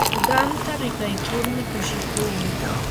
qamta rikaykurmi kushikuu.